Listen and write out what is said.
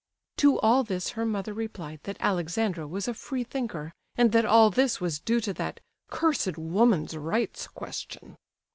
To all this her mother replied that Alexandra was a freethinker, and that all this was due to that "cursed woman's rights question."